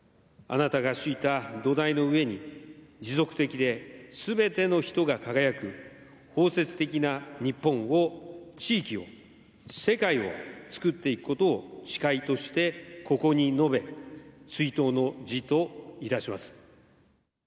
あなたが敷いた土台の上に、持続的で、すべての人が輝く、包摂的な日本を、地域を、世界をつくっていくことを、誓いとしてここに述べ、追悼の辞といたします。